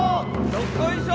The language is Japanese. どっこいしょ！